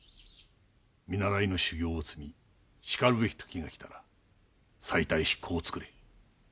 見習いの修行を積みしかるべき時がきたら妻帯し子をつくれ。